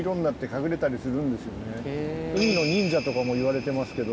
海の忍者とかもいわれてますけど。